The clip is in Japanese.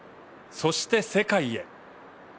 そして世界へ。